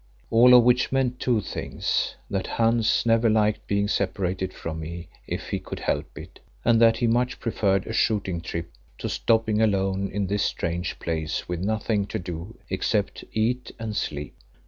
All of which meant two things: that Hans never liked being separated from me if he could help it, and that he much preferred a shooting trip to stopping alone in this strange place with nothing to do except eat and sleep.